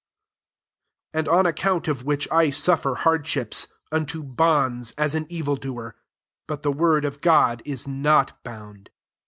and on account of which I suffer hardships, unto bonds, as an evil doer: but the word of God is not bound.